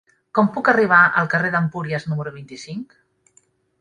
Com puc arribar al carrer d'Empúries número vint-i-cinc?